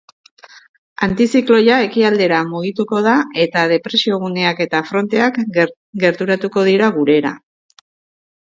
Antizikloia ekialdera mugituko da eta depresioguneak eta fronteak gerturatuko dira gurera.